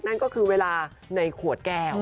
นั่นก็คือเวลาในขวดแก้ว